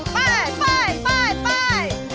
ไป